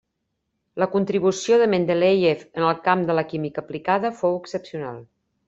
La contribució de Mendeléiev en el camp de la química aplicada fou excepcional.